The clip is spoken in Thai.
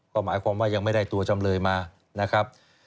ก็หมายความว่ายังไม่ได้ตัวจำเลยมานะครับ